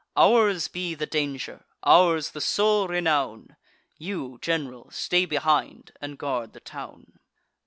Ours be the danger, ours the sole renown: You, gen'ral, stay behind, and guard the town."